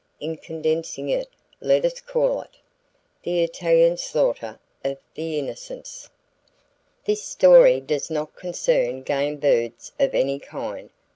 In condensing it, let us call it The Italian Slaughter Of The Innocents This story does not concern game birds of any kind.